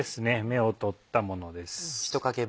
芽を取ったものです。